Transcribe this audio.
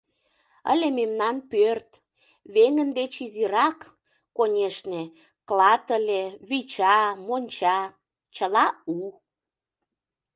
Ыле мемнан пӧрт — веҥын деч изирак, конешне, клат ыле, вича, монча — чыла у.